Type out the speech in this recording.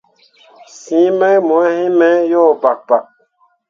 Siŋ mai mo heme yo bakbak.